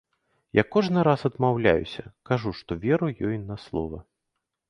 Я кожны раз адмаўляюся, кажу, што веру ёй на слова.